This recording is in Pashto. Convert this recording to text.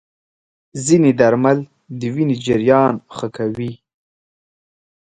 ځینې درمل د وینې جریان ښه کوي.